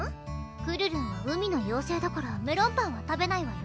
くるるんは海の妖精だからメロンパンは食べないわよ